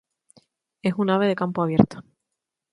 Es un ave de campo abierto.